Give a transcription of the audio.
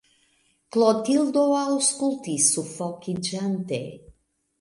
Klotildo aŭskultis sufokiĝante.